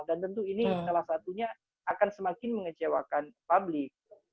dan tentu ini salah satunya akan semakin mengecewakan publik